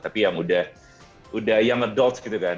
tapi yang udah yang adult gitu kan